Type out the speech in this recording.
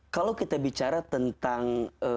kalau kita bicara tentang